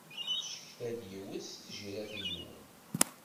Teccetka-d yiwet si tǧiratin-nwen.